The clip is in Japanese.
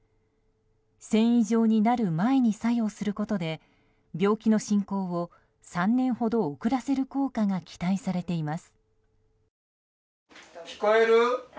繊維状になる前に作用することで病気の進行を３年ほど遅らせる効果が期待されています。